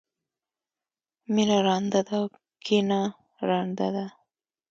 مینه رانده ده او کینه ړنده ده.